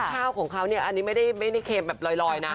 ข้าวของเขาเนี่ยอันนี้ไม่ได้เค็มแบบลอยนะ